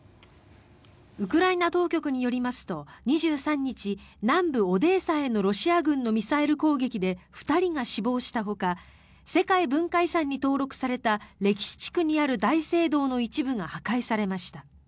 ウクライナ当局によりますと２３日、南部オデーサへのロシア軍のミサイル攻撃で２人が死亡したほか世界文化遺産に登録された歴史地区にある大聖堂の一部が破壊されました。